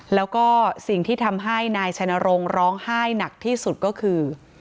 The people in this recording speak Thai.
แล้วก็สิ่งที่ทำให้นายชัยนรงค์ร้องไห้หนักที่สุดก็คือ